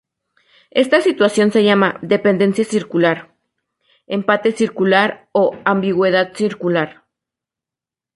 Esta situación se llama 'dependencia circular', 'empate circular' o 'ambigüedad circular'.